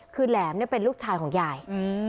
คือแหลมเนี่ยเป็นลูกชายของยาย